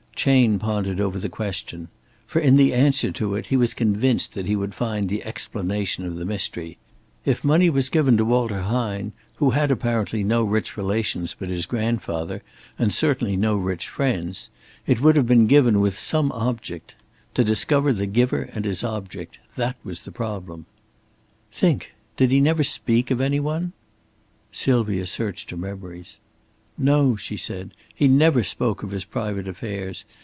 Chayne pondered over that question. For in the answer to it he was convinced he would find the explanation of the mystery. If money was given to Walter Hine, who had apparently no rich relations but his grandfather, and certainly no rich friends, it would have been given with some object. To discover the giver and his object that was the problem. "Think! Did he never speak of any one?" Sylvia searched her memories. "No," she said. "He never spoke of his private affairs.